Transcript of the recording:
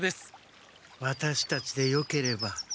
ワタシたちでよければ。